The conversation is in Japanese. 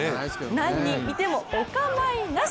何人いてもお構いなし！